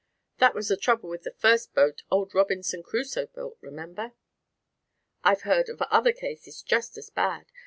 That was the trouble with the first boat old Robinson Crusoe built, remember? I've heard of other cases just as bad.